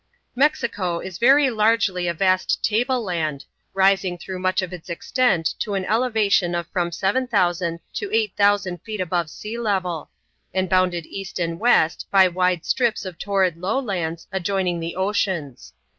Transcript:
Mexico is very largely a vast table land, rising through much of its extent to an elevation of from 7,000 to 8,000 feet above sea level, and bounded east and west by wide strips of torrid lowlands adjoining the oceans.